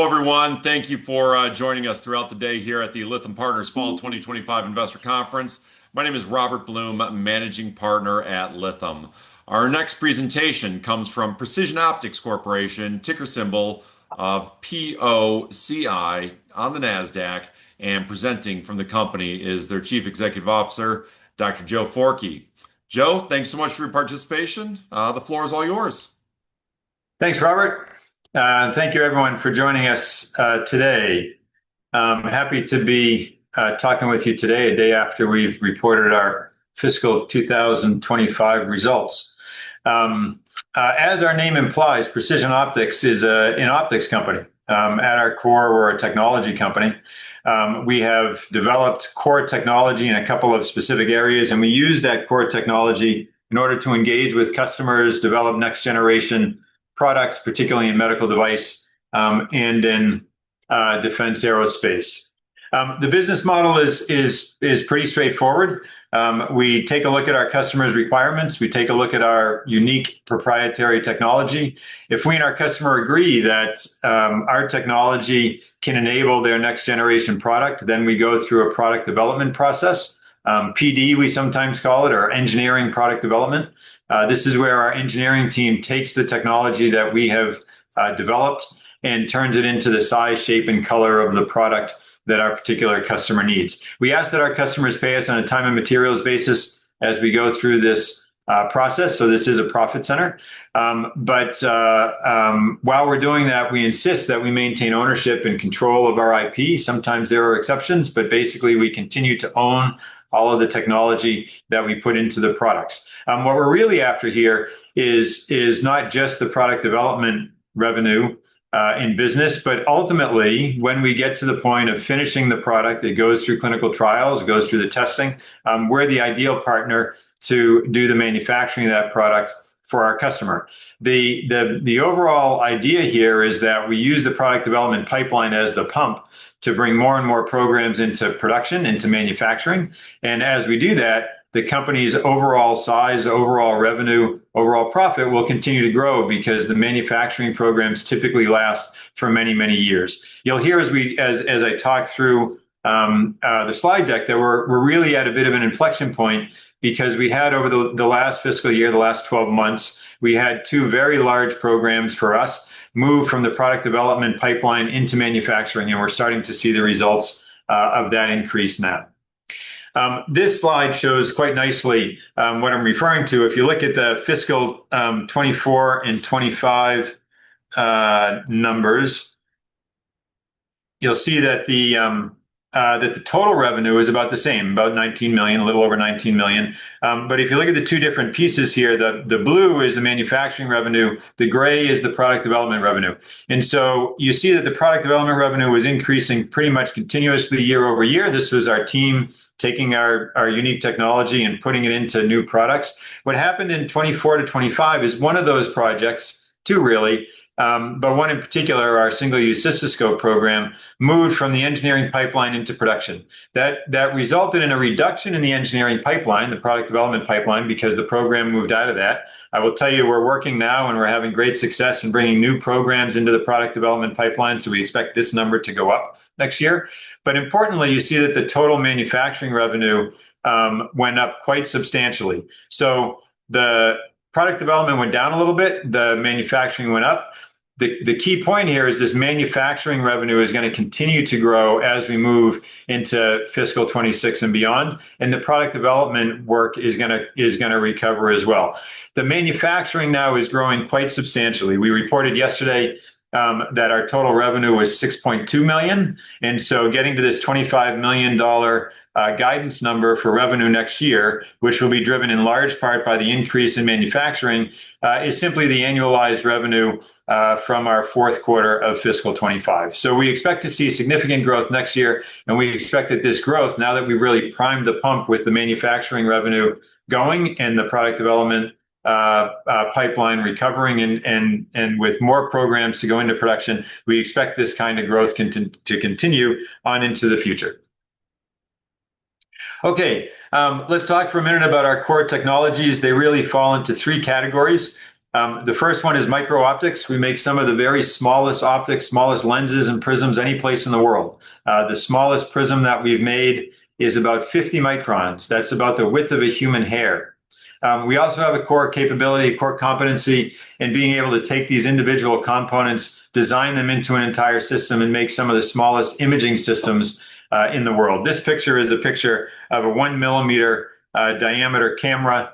All right. Hello, everyone. Thank you for joining us throughout the day here at the Lithium Partners Fall 2025 Investor Conference. My name is Robert Blum, Managing Partner at Lithium Partners. Our next presentation comes from Precision Optics Corporation, ticker symbol of POCI on the Nasdaq. And presenting from the company is their Chief Executive Officer, Dr. Joe Forkey. Joe, thanks so much for your participation. The floor is all yours. Thanks, Robert. Thank you, everyone, for joining us today. I'm happy to be talking with you today, a day after we've reported our fiscal 2025 results. As our name implies, Precision Optics is an optics company. At our core, we're a technology company. We have developed core technology in a couple of specific areas, and we use that core technology in order to engage with customers, develop next-generation products, particularly in medical device and in defense aerospace. The business model is pretty straightforward. We take a look at our customers' requirements. We take a look at our unique proprietary technology. If we and our customer agree that our technology can enable their next-generation product, then we go through a product development process, PD we sometimes call it, or engineering product development. This is where our engineering team takes the technology that we have developed and turns it into the size, shape, and color of the product that our particular customer needs. We ask that our customers pay us on a time and materials basis as we go through this process. So this is a profit center. But while we're doing that, we insist that we maintain ownership and control of our IP. Sometimes there are exceptions, but basically we continue to own all of the technology that we put into the products. What we're really after here is not just the product development revenue in business, but ultimately, when we get to the point of finishing the product that goes through clinical trials, goes through the testing, we're the ideal partner to do the manufacturing of that product for our customer. The overall idea here is that we use the product development pipeline as the pump to bring more and more programs into production, into manufacturing. And as we do that, the company's overall size, overall revenue, overall profit will continue to grow because the manufacturing programs typically last for many, many years. You'll hear as I talk through the slide deck that we're really at a bit of an inflection point because we had, over the last fiscal year, the last 12 months, we had two very large programs for us move from the product development pipeline into manufacturing, and we're starting to see the results of that increase now. This slide shows quite nicely what I'm referring to. If you look at the fiscal 2024 and 2025 numbers, you'll see that the total revenue is about the same, about $19 million, a little over $19 million. But if you look at the two different pieces here, the blue is the manufacturing revenue, the gray is the product development revenue. And so you see that the product development revenue was increasing pretty much continuously year-over-year. This was our team taking our unique technology and putting it into new products. What happened in 2024 to 2025 is one of those projects, two really, but one in particular, our single-use cystoscope program moved from the engineering pipeline into production. That resulted in a reduction in the engineering pipeline, the product development pipeline, because the program moved out of that. I will tell you, we're working now and we're having great success in bringing new programs into the product development pipeline. So we expect this number to go up next year. But importantly, you see that the total manufacturing revenue went up quite substantially. The product development went down a little bit, the manufacturing went up. The key point here is this manufacturing revenue is going to continue to grow as we move into fiscal 2026 and beyond, and the product development work is going to recover as well. The manufacturing now is growing quite substantially. We reported yesterday that our total revenue was $6.2 million. And so getting to this $25 million guidance number for revenue next year, which will be driven in large part by the increase in manufacturing, is simply the annualized revenue from our fourth quarter of fiscal 2025. We expect to see significant growth next year, and we expect that this growth, now that we've really primed the pump with the manufacturing revenue going and the product development pipeline recovering and with more programs to go into production, we expect this kind of growth to continue on into the future. Okay, let's talk for a minute about our core technologies. They really fall into three categories. The first one is micro-optics. We make some of the very smallest optics, smallest lenses and prisms anyplace in the world. The smallest prism that we've made is about 50 microns. That's about the width of a human hair. We also have a core capability, core competency in being able to take these individual components, design them into an entire system, and make some of the smallest imaging systems in the world. This picture is a picture of a one-millimeter diameter camera.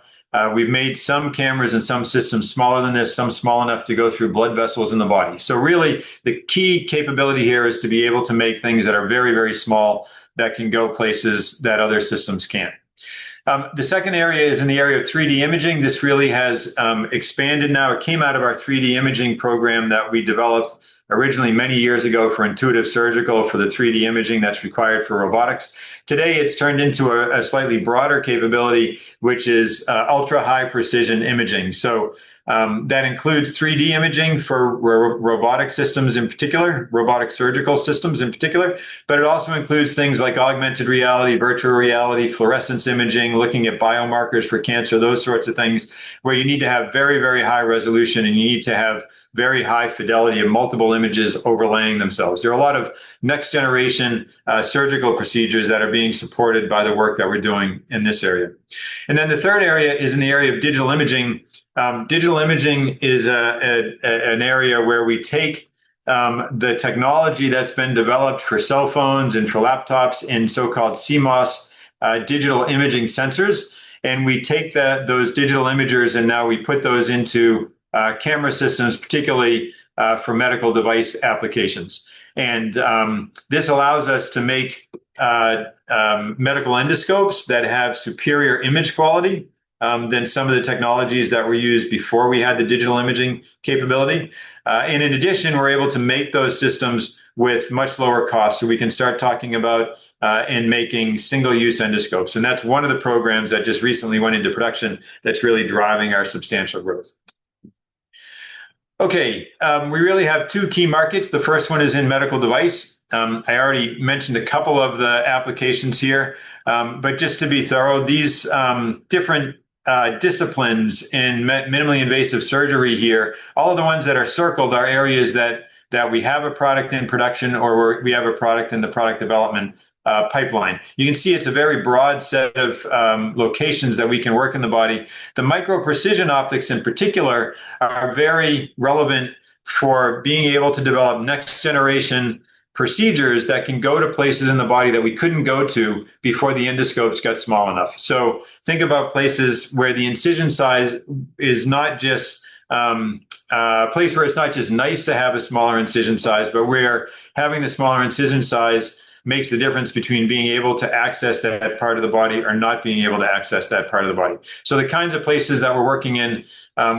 We've made some cameras and some systems smaller than this, some small enough to go through blood vessels in the body. So really, the key capability here is to be able to make things that are very, very small that can go places that other systems can't. The second area is in the area of 3D imaging. This really has expanded now. It came out of our 3D imaging program that we developed originally many years ago for Intuitive Surgical for the 3D imaging that's required for robotics. Today, it's turned into a slightly broader capability, which is ultra-high precision imaging. So that includes 3D imaging for robotic systems in particular, robotic surgical systems in particular, but it also includes things like augmented reality, virtual reality, fluorescence imaging, looking at biomarkers for cancer, those sorts of things where you need to have very, very high resolution and you need to have very high fidelity of multiple images overlaying themselves. There are a lot of next-generation surgical procedures that are being supported by the work that we're doing in this area. And then the third area is in the area of digital imaging. Digital imaging is an area where we take the technology that's been developed for cell phones and for laptops in so-called CMOS digital imaging sensors, and we take those digital imagers and now we put those into camera systems, particularly for medical device applications. This allows us to make medical endoscopes that have superior image quality than some of the technologies that were used before we had the digital imaging capability. In addition, we're able to make those systems with much lower costs. We can start talking about and making single-use endoscopes. That's one of the programs that just recently went into production that's really driving our substantial growth. Okay, we really have two key markets. The first one is in medical device. I already mentioned a couple of the applications here, but just to be thorough, these different disciplines in minimally invasive surgery here, all of the ones that are circled are areas that we have a product in production or we have a product in the product development pipeline. You can see it's a very broad set of locations that we can work in the body. The micro-precision optics in particular are very relevant for being able to develop next-generation procedures that can go to places in the body that we couldn't go to before the endoscopes got small enough, so think about places where the incision size is not just nice to have a smaller incision size, but where having the smaller incision size makes the difference between being able to access that part of the body or not being able to access that part of the body, so the kinds of places that we're working in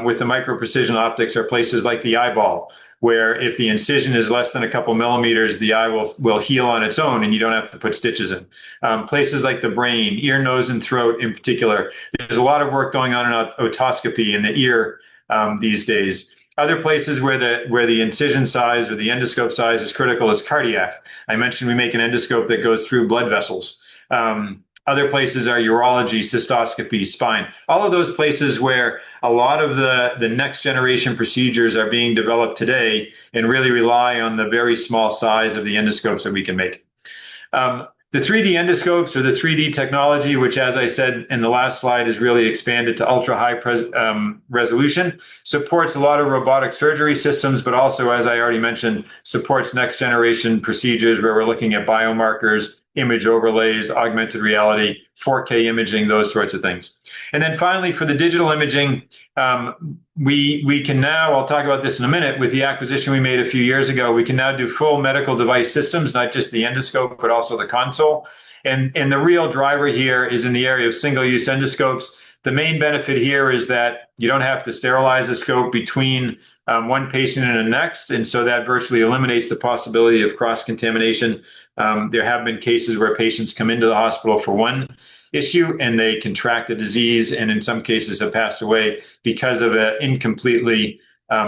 with the micro-precision optics are places like the eyeball, where if the incision is less than a couple of millimeters, the eye will heal on its own and you don't have to put stitches in. Places like the brain, ear, nose, and throat in particular. There's a lot of work going on in otoscopy in the ear these days. Other places where the incision size or the endoscope size is critical is cardiac. I mentioned we make an endoscope that goes through blood vessels. Other places are urology, cystoscopy, spine. All of those places where a lot of the next-generation procedures are being developed today and really rely on the very small size of the endoscopes that we can make. The 3D endoscopes or the 3D technology, which, as I said in the last slide, is really expanded to ultra-high resolution, supports a lot of robotic surgery systems, but also, as I already mentioned, supports next-generation procedures where we're looking at biomarkers, image overlays, augmented reality, 4K imaging, those sorts of things. And then finally, for the digital imaging, we can now. I'll talk about this in a minute. With the acquisition we made a few years ago, we can now do full medical device systems, not just the endoscope, but also the console. And the real driver here is in the area of single-use endoscopes. The main benefit here is that you don't have to sterilize a scope between one patient and the next, and so that virtually eliminates the possibility of cross-contamination. There have been cases where patients come into the hospital for one issue and they contract the disease and in some cases have passed away because of an incompletely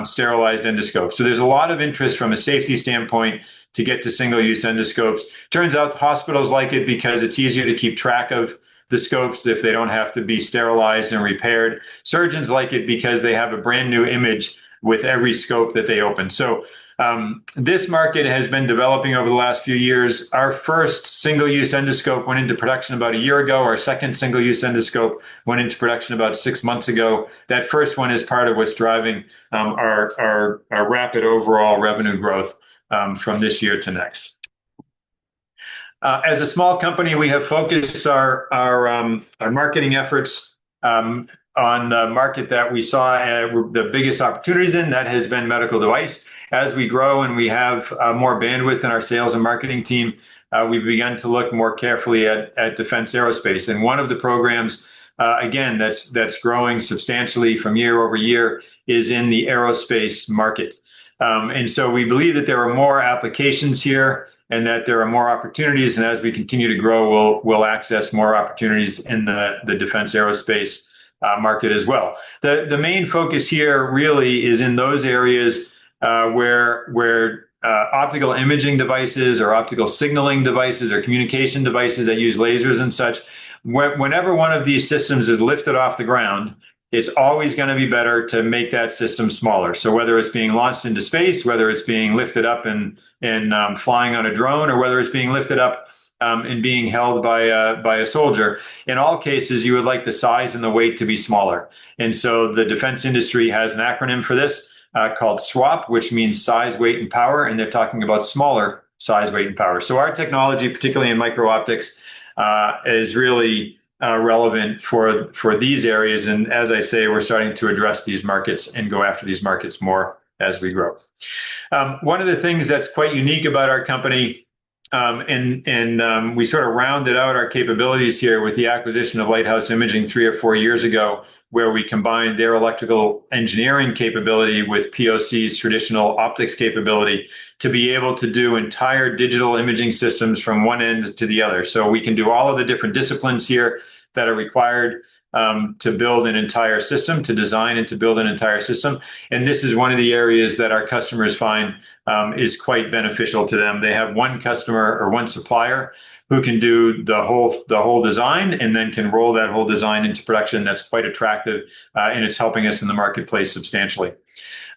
sterilized endoscope. So there's a lot of interest from a safety standpoint to get to single-use endoscopes. Turns out hospitals like it because it's easier to keep track of the scopes if they don't have to be sterilized and repaired. Surgeons like it because they have a brand new image with every scope that they open. So this market has been developing over the last few years. Our first single-use endoscope went into production about a year ago. Our second single-use endoscope went into production about six months ago. That first one is part of what's driving our rapid overall revenue growth from this year to next. As a small company, we have focused our marketing efforts on the market that we saw the biggest opportunities in. That has been medical device. As we grow and we have more bandwidth in our sales and marketing team, we've begun to look more carefully at defense aerospace. One of the programs, again, that's growing substantially year-over-year is in the aerospace market. We believe that there are more applications here and that there are more opportunities. As we continue to grow, we'll access more opportunities in the defense aerospace market as well. The main focus here really is in those areas where optical imaging devices or optical signaling devices or communication devices that use lasers and such. Whenever one of these systems is lifted off the ground, it's always going to be better to make that system smaller. Whether it's being launched into space, whether it's being lifted up and flying on a drone, or whether it's being lifted up and being held by a soldier, in all cases, you would like the size and the weight to be smaller. The defense industry has an acronym for this called SWaP, which means size, weight, and power. And they're talking about smaller size, weight, and power. So our technology, particularly in micro-optics, is really relevant for these areas. And as I say, we're starting to address these markets and go after these markets more as we grow. One of the things that's quite unique about our company, and we sort of rounded out our capabilities here with the acquisition of Lighthouse Imaging three or four years ago, where we combined their electrical engineering capability with POC's traditional optics capability to be able to do entire digital imaging systems from one end to the other. So we can do all of the different disciplines here that are required to build an entire system, to design and to build an entire system. This is one of the areas that our customers find is quite beneficial to them. They have one customer or one supplier who can do the whole design and then can roll that whole design into production. That's quite attractive, and it's helping us in the marketplace substantially.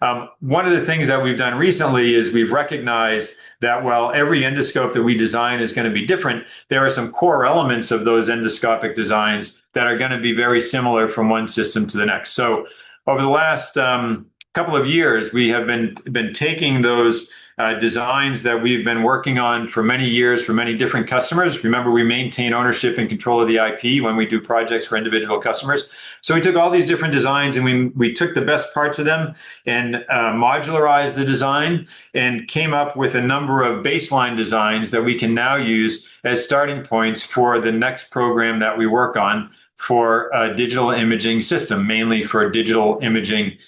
One of the things that we've done recently is we've recognized that while every endoscope that we design is going to be different, there are some core elements of those endoscopic designs that are going to be very similar from one system to the next. Over the last couple of years, we have been taking those designs that we've been working on for many years for many different customers. Remember, we maintain ownership and control of the IP when we do projects for individual customers. So we took all these different designs and we took the best parts of them and modularized the design and came up with a number of baseline designs that we can now use as starting points for the next program that we work on for a digital imaging system, mainly for digital imaging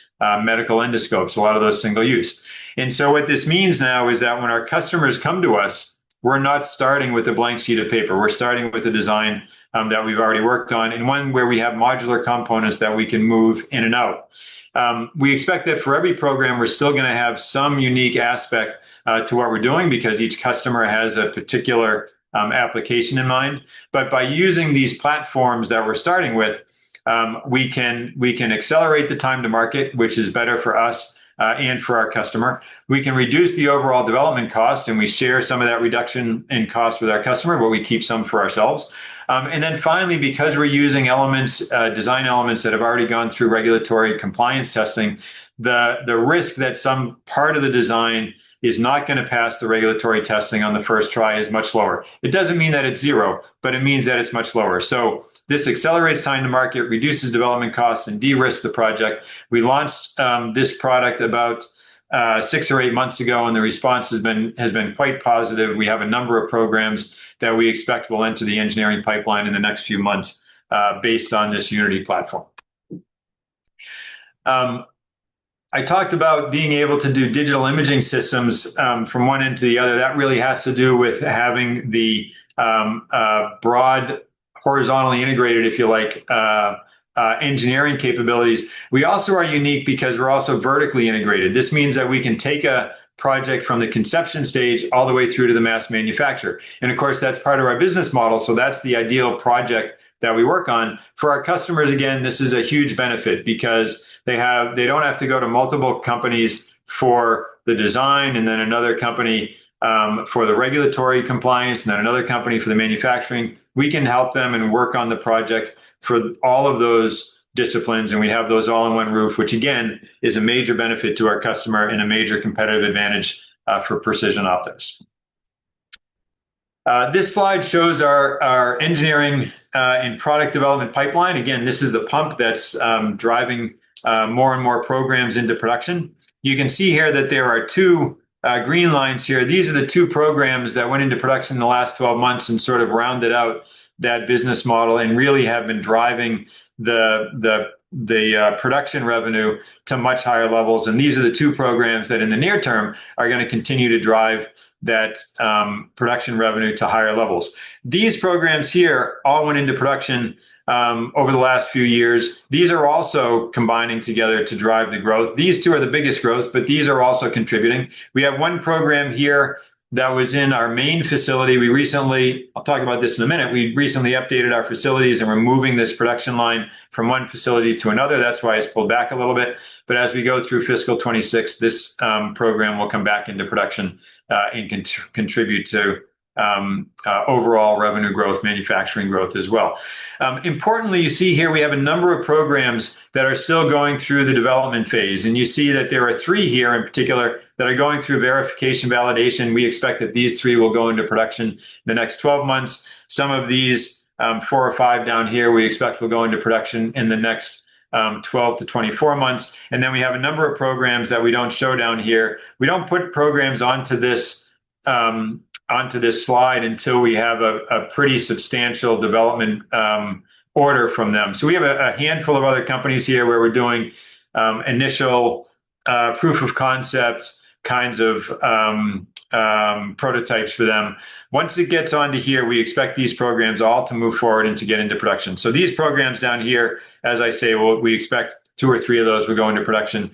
medical endoscopes, a lot of those single-use. And so what this means now is that when our customers come to us, we're not starting with a blank sheet of paper. We're starting with a design that we've already worked on and one where we have modular components that we can move in and out. We expect that for every program, we're still going to have some unique aspect to what we're doing because each customer has a particular application in mind. But by using these platforms that we're starting with, we can accelerate the time to market, which is better for us and for our customer. We can reduce the overall development cost, and we share some of that reduction in cost with our customer, but we keep some for ourselves. And then finally, because we're using design elements that have already gone through regulatory compliance testing, the risk that some part of the design is not going to pass the regulatory testing on the first try is much lower. It doesn't mean that it's zero, but it means that it's much lower. So this accelerates time to market, reduces development costs, and de-risk the project. We launched this product about six or eight months ago, and the response has been quite positive. We have a number of programs that we expect will enter the engineering pipeline in the next few months based on this Unity platform. I talked about being able to do digital imaging systems from one end to the other. That really has to do with having the broad horizontally integrated, if you like, engineering capabilities. We also are unique because we're also vertically integrated. This means that we can take a project from the conception stage all the way through to the mass manufacture. And of course, that's part of our business model. So that's the ideal project that we work on. For our customers, again, this is a huge benefit because they don't have to go to multiple companies for the design and then another company for the regulatory compliance and then another company for the manufacturing. We can help them and work on the project for all of those disciplines, and we have those all under one roof, which again is a major benefit to our customer and a major competitive advantage for Precision Optics. This slide shows our engineering and product development pipeline. Again, this is the pump that's driving more and more programs into production. You can see here that there are two green lines here. These are the two programs that went into production in the last 12 months and sort of rounded out that business model and really have been driving the production revenue to much higher levels, and these are the two programs that in the near term are going to continue to drive that production revenue to higher levels. These programs here all went into production over the last few years. These are also combining together to drive the growth. These two are the biggest growth, but these are also contributing. We have one program here that was in our main facility. I'll talk about this in a minute. We recently updated our facilities and we're moving this production line from one facility to another. That's why it's pulled back a little bit, but as we go through fiscal 2026, this program will come back into production and contribute to overall revenue growth, manufacturing growth as well. Importantly, you see here we have a number of programs that are still going through the development phase, and you see that there are three here in particular that are going through verification and validation. We expect that these three will go into production in the next 12 months. Some of these four or five down here we expect will go into production in the next 12 to 24 months. And then we have a number of programs that we don't show down here. We don't put programs onto this slide until we have a pretty substantial development order from them. So we have a handful of other companies here where we're doing initial proof of concept kinds of prototypes for them. Once it gets onto here, we expect these programs all to move forward and to get into production. So these programs down here, as I say, we expect two or three of those will go into production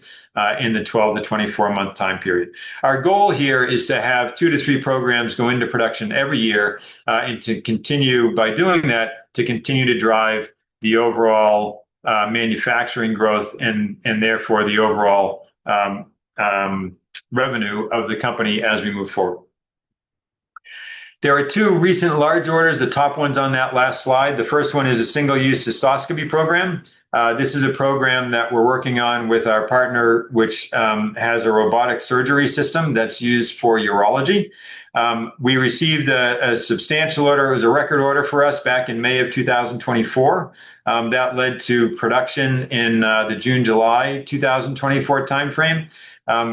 in the 12- to 24-month time period. Our goal here is to have two to three programs go into production every year and to continue by doing that to continue to drive the overall manufacturing growth and therefore the overall revenue of the company as we move forward. There are two recent large orders, the top ones on that last slide. The first one is a single-use cystoscopy program. This is a program that we're working on with our partner, which has a robotic surgery system that's used for urology. We received a substantial order. It was a record order for us back in May of 2024. That led to production in the June-July 2024 timeframe.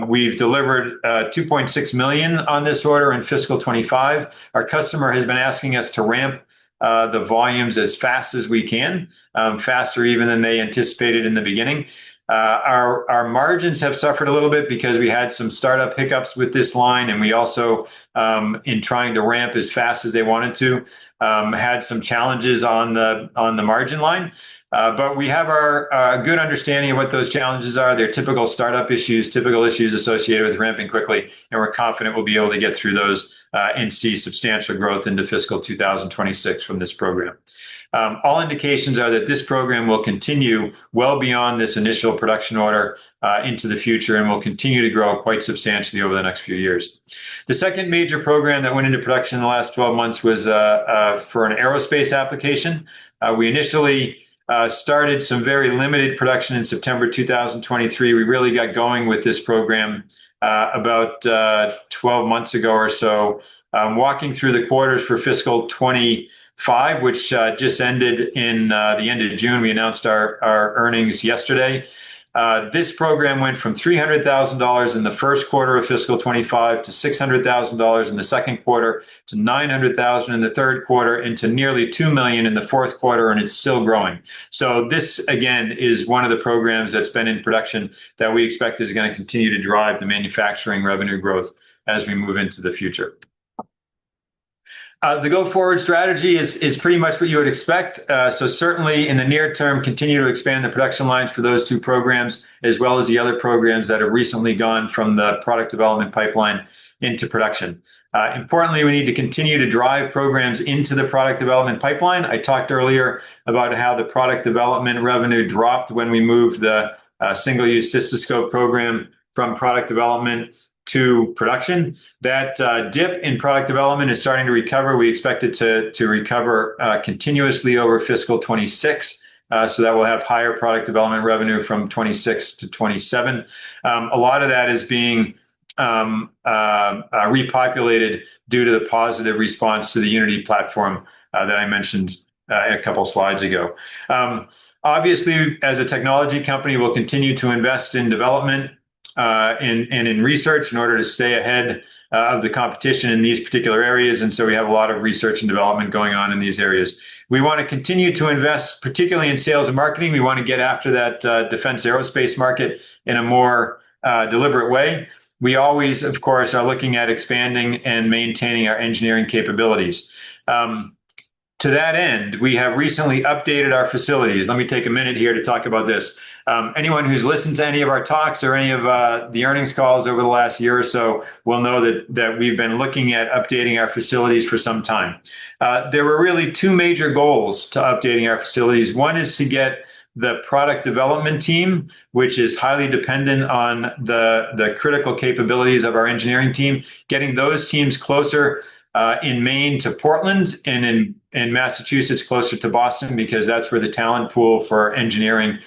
We've delivered $2.6 million on this order in fiscal 2025. Our customer has been asking us to ramp the volumes as fast as we can, faster even than they anticipated in the beginning. Our margins have suffered a little bit because we had some startup hiccups with this line, and we also, in trying to ramp as fast as they wanted to, had some challenges on the margin line. But we have a good understanding of what those challenges are. They're typical startup issues, typical issues associated with ramping quickly. And we're confident we'll be able to get through those and see substantial growth into fiscal 2026 from this program. All indications are that this program will continue well beyond this initial production order into the future and will continue to grow quite substantially over the next few years. The second major program that went into production in the last 12 months was for an aerospace application. We initially started some very limited production in September 2023. We really got going with this program about 12 months ago or so. Walking through the quarters for fiscal 2025, which just ended in the end of June, we announced our earnings yesterday. This program went from $300,000 in the first quarter of fiscal 2025 to $600,000 in the second quarter, to $900,000 in the third quarter, into nearly $2 million in the fourth quarter, and it's still growing. So this, again, is one of the programs that's been in production that we expect is going to continue to drive the manufacturing revenue growth as we move into the future. The go-forward strategy is pretty much what you would expect. So certainly, in the near term, continue to expand the production lines for those two programs, as well as the other programs that have recently gone from the product development pipeline into production. Importantly, we need to continue to drive programs into the product development pipeline. I talked earlier about how the product development revenue dropped when we moved the single-use cystoscope program from product development to production. That dip in product development is starting to recover. We expect it to recover continuously over fiscal 2026, so that we'll have higher product development revenue from 2026 to 2027. A lot of that is being repopulated due to the positive response to the Unity platform that I mentioned a couple of slides ago. Obviously, as a technology company, we'll continue to invest in development and in research in order to stay ahead of the competition in these particular areas. And so we have a lot of research and development going on in these areas. We want to continue to invest, particularly in sales and marketing. We want to get after that defense aerospace market in a more deliberate way. We always, of course, are looking at expanding and maintaining our engineering capabilities. To that end, we have recently updated our facilities. Let me take a minute here to talk about this. Anyone who's listened to any of our talks or any of the earnings calls over the last year or so will know that we've been looking at updating our facilities for some time. There were really two major goals to updating our facilities. One is to get the product development team, which is highly dependent on the critical capabilities of our engineering team, getting those teams closer in Maine to Portland and in Massachusetts closer to Boston because that's where the talent pool for engineering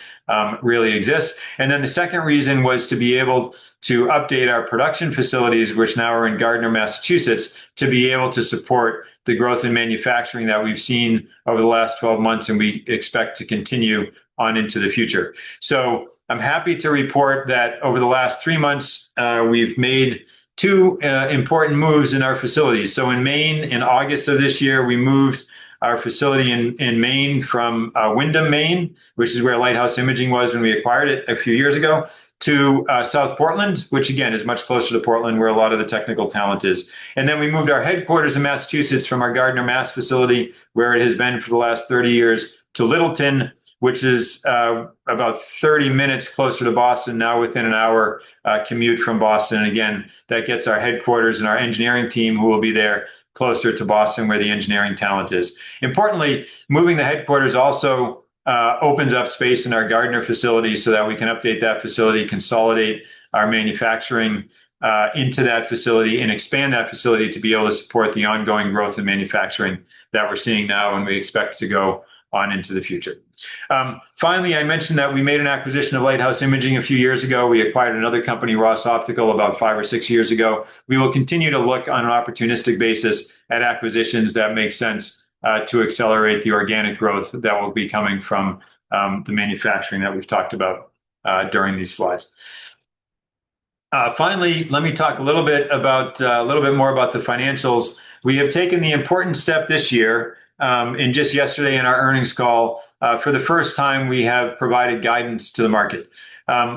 really exists, and then the second reason was to be able to update our production facilities, which now are in Gardner, Massachusetts, to be able to support the growth in manufacturing that we've seen over the last 12 months and we expect to continue on into the future. I'm happy to report that over the last three months, we've made two important moves in our facilities. In Maine, in August of this year, we moved our facility in Maine from Windham, Maine, which is where Lighthouse Imaging was when we acquired it a few years ago, to South Portland, which again is much closer to Portland where a lot of the technical talent is. Then we moved our headquarters in Massachusetts from our Gardner, Massachusetts facility, where it has been for the last 30 years, to Littleton, which is about 30 minutes closer to Boston, now within an hour commute from Boston. Again, that gets our headquarters and our engineering team who will be there closer to Boston where the engineering talent is. Importantly, moving the headquarters also opens up space in our Gardner facility so that we can update that facility, consolidate our manufacturing into that facility, and expand that facility to be able to support the ongoing growth in manufacturing that we're seeing now and we expect to go on into the future. Finally, I mentioned that we made an acquisition of Lighthouse Imaging a few years ago. We acquired another company, Ross Optical, about five or six years ago. We will continue to look on an opportunistic basis at acquisitions that make sense to accelerate the organic growth that will be coming from the manufacturing that we've talked about during these slides. Finally, let me talk a little bit more about the financials. We have taken the important step this year, and just yesterday in our earnings call, for the first time, we have provided guidance to the market.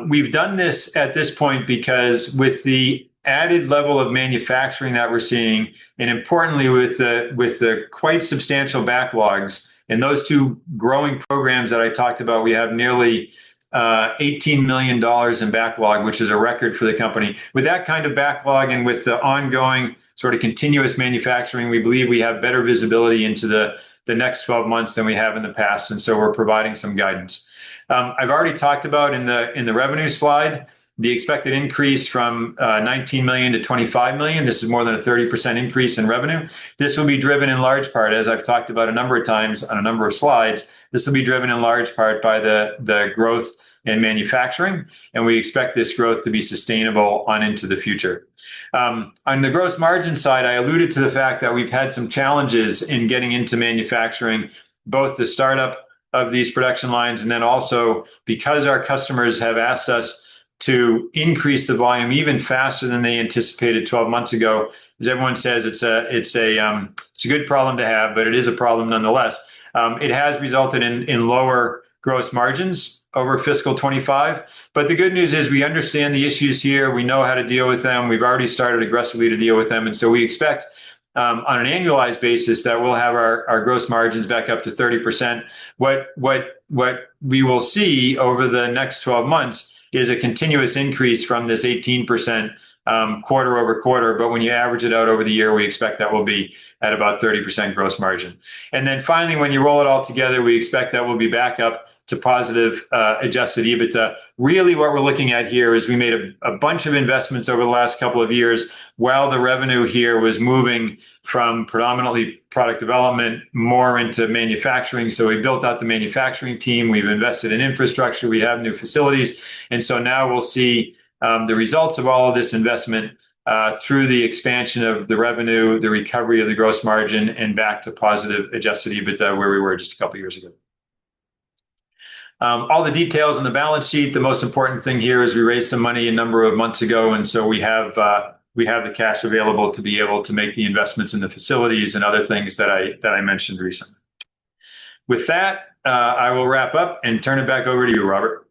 We've done this at this point because with the added level of manufacturing that we're seeing and importantly, with the quite substantial backlogs and those two growing programs that I talked about, we have nearly $18 million in backlog, which is a record for the company. With that kind of backlog and with the ongoing sort of continuous manufacturing, we believe we have better visibility into the next 12 months than we have in the past, and so we're providing some guidance. I've already talked about in the revenue slide, the expected increase from $19 million to 25 million. This is more than a 30% increase in revenue. This will be driven in large part, as I've talked about a number of times on a number of slides. This will be driven in large part by the growth in manufacturing. We expect this growth to be sustainable on into the future. On the gross margin side, I alluded to the fact that we've had some challenges in getting into manufacturing, both the startup of these production lines and then also because our customers have asked us to increase the volume even faster than they anticipated 12 months ago. As everyone says, it's a good problem to have, but it is a problem nonetheless. It has resulted in lower gross margins over fiscal 2025. The good news is we understand the issues here. We know how to deal with them. We've already started aggressively to deal with them. So we expect on an annualized basis that we'll have our gross margins back up to 30%. What we will see over the next 12 months is a continuous increase from this 18% quarter over quarter. But, when you average it out over the year, we expect that we'll be at about 30% gross margin. And then finally, when you roll it all together, we expect that we'll be back up to positive Adjusted EBITDA. Really, what we're looking at here is we made a bunch of investments over the last couple of years while the revenue here was moving from predominantly product development more into manufacturing. So we built out the manufacturing team. We've invested in infrastructure. We have new facilities. And so now we'll see the results of all of this investment through the expansion of the revenue, the recovery of the gross margin, and back to positive Adjusted EBITDA where we were just a couple of years ago. All the details on the balance sheet. The most important thing here is we raised some money a number of months ago. We have the cash available to be able to make the investments in the facilities and other things that I mentioned recently. With that, I will wrap up and turn it back over to you, Robert.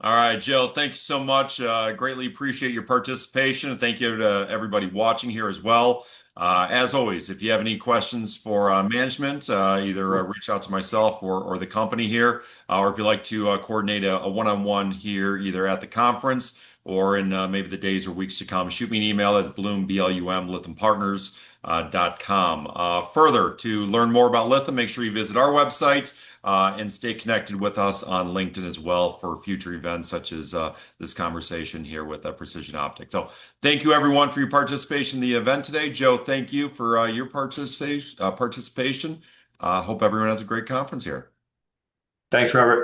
All right, Joe, thank you so much. Greatly appreciate your participation. Thank you to everybody watching here as well. As always, if you have any questions for management, either reach out to myself or the company here, or if you'd like to coordinate a one-on-one here either at the conference or in maybe the days or weeks to come, shoot me an email at blum@lithiumpartners.com. Further, to learn more about Lithium, make sure you visit our website and stay connected with us on LinkedIn as well for future events such as this conversation here with Precision Optics. Thank you, everyone, for your participation in the event today. Joe, thank you for your participation. Hope everyone has a great conference here. Thanks, Robert.